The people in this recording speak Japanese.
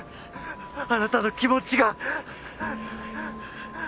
あなたの気持ちが！